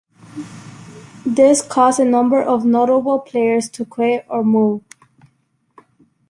This caused a number of notable players to quit or move.